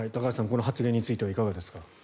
この発言についてはいかがですか。